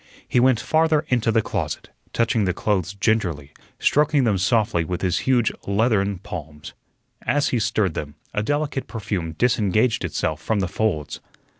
He went farther into the closet, touching the clothes gingerly, stroking them softly with his huge leathern palms. As he stirred them a delicate perfume disengaged itself from the folds.